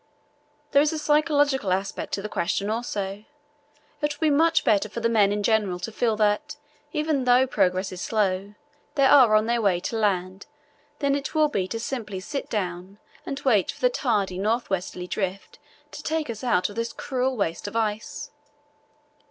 There is a psychological aspect to the question also. It will be much better for the men in general to feel that, even though progress is slow, they are on their way to land than it will be simply to sit down and wait for the tardy north westerly drift to take us out of this cruel waste of ice.